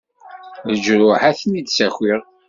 Leǧruḥ ad-ten-id-sakiɣ.